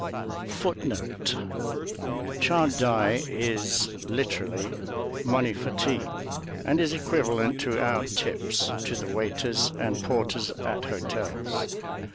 Chadai is, literally, "money for tea," and is equivalent to our tips to the waiters and porters at hotels.